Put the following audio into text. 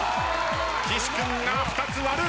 岸君が２つ割る。